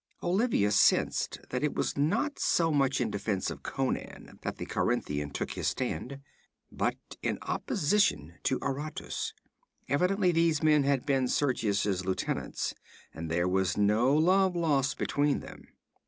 Olivia sensed that it was not so much in defense of Conan that the Corinthian took his stand, but in opposition to Aratus. Evidently these men had been Sergius's lieutenants, and there was no love lost between them.